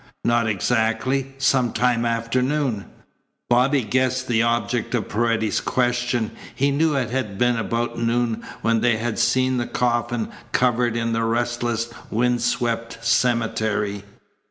"Not exactly. Sometime after noon." Bobby guessed the object of Paredes's question. He knew it had been about noon when they had seen the coffin covered in the restless, wind swept cemetery.